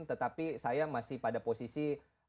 tetapi saya masih pada posisi